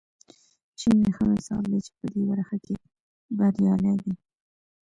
چین یې ښه مثال دی چې په دې برخه کې بریالی دی.